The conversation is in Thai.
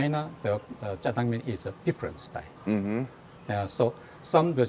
แล้วการมากเกิดเริ่มโฟล์ให้ทำกิน